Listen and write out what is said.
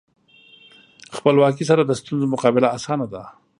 خپلواکۍ سره د ستونزو مقابله اسانه ده.